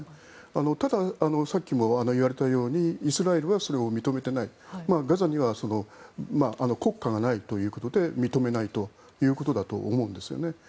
ただ、さっきも言われたようにイスラエルはそれを認めていないガザには国家がないということで認めないということだと思うんですよね。